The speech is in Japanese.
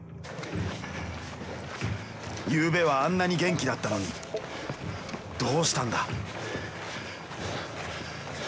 ゆうべはあんなに元気だったのにどうしたんだ。